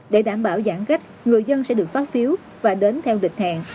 để đảm bảo giãn cách người dân sẽ được phát phiếu và đến theo địch hẹn